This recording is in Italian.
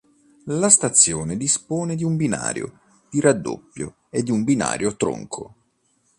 La stazione dispone di un binario di raddoppio e di un binario tronco.